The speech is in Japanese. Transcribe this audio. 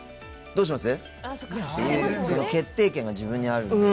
どうします？っていう決定権が自分にあるので。